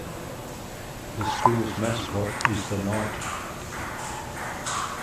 The school's mascot is the knight.